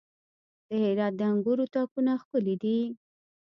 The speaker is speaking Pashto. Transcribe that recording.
د هرات د انګورو تاکونه ښکلي دي.